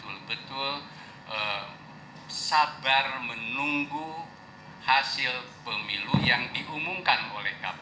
betul betul sabar menunggu hasil pemilu yang diumumkan oleh kpu